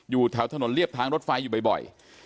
อยู่แถวถนนเรียบทางรถไฟอยู่บ่อย